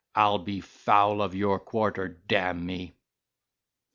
I'll be foul of your quarter, d—n me."